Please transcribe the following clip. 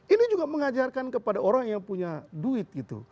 ini juga mengajarkan kepada orang yang punya duit gitu